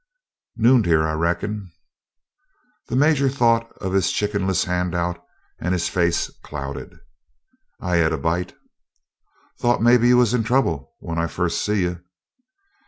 "Nooned here, I reckon?" The Major thought of his chickenless handout and his face clouded. "I et a bite." "Thought maybe you was in trouble when I first see you."